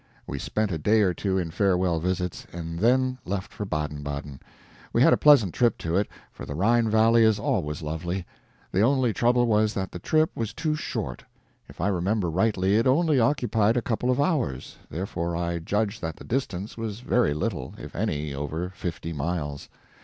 We spent a day or two in farewell visits, and then left for Baden Baden. We had a pleasant trip to it, for the Rhine valley is always lovely. The only trouble was that the trip was too short. If I remember rightly it only occupied a couple of hours, therefore I judge that the distance was very little, if any, over fifty miles.